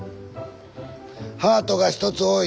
ハートが１つ多い。